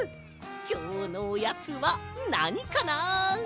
きょうのおやつはなにかな。